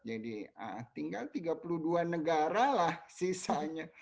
jadi tinggal tiga puluh dua negara lah sisanya